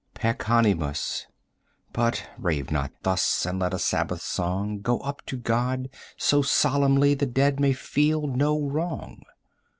Peccanimus; but rave not thus! and let a Sabbath song Go up to God so solemnly the dead may feel no wrong.